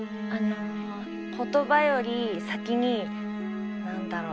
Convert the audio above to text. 言葉より先に何だろう